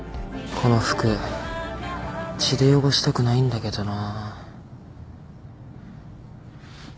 この服血で汚したくないんだけどなぁ。